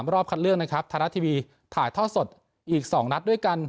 รอบคัดเลือกนะครับไทยรัฐทีวีถ่ายท่อสดอีก๒นัดด้วยกัน